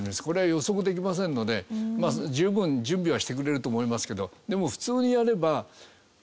これは予測できませんので十分準備はしてくれると思いますけどでも普通にやれば。